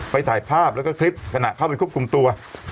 ถ่ายภาพแล้วก็คลิปขณะเข้าไปควบคุมตัว